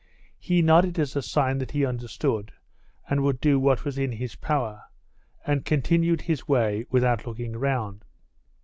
He nodded as a sign that he understood and would do what was in his power, and continued his way without looking round.